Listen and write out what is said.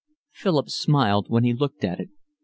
Philip smiled when he looked at it.